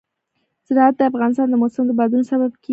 زراعت د افغانستان د موسم د بدلون سبب کېږي.